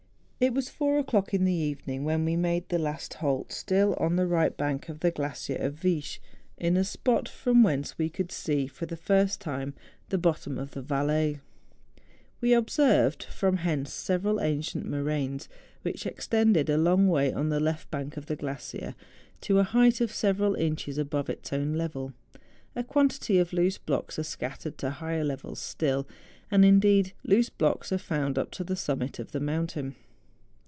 It was four o'clock in the evening when we made tlie last halt, still on the right bank of the glacier of Viesch, in a spot from whence we could see, for the first time, the bottom of the Valais. We observed from hence several ancient moraines, which extend a long way on the left bank of the glacier, to a height of several inches above its own level. A quantity of loose blocks are scattered to higher levels still, and indeed loose blocks are found up to the summit of the mountain.